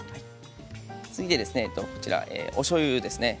続いてこちらおしょうゆですね。